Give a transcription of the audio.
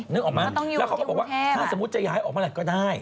นึกออกไหมแล้วเขาก็บอกว่าถ้าสมมุติจะย้ายออกเมื่อไหร่ก็ได้